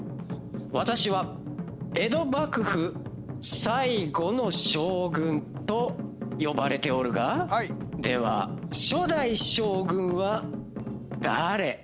私は江戸幕府最後の将軍と呼ばれておるがでは初代将軍は誰？